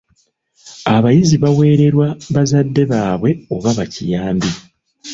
Abayizi baweererwa bazadde baabwe oba bakiyambi.